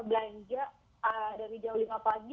belanja dari jam lima pagi